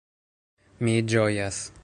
Mi ĝojas.